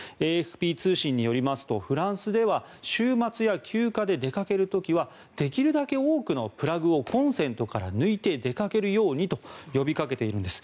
ＡＦＰ通信によりますとフランスでは週末や休暇で出かける時はできるだけ多くのプラグをコンセントから抜いて出かけるようにと呼びかけているんです。